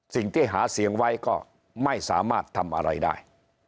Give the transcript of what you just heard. สิ่งที่หาเสียงไว้ก็ไม่สามารถทำอะไรได้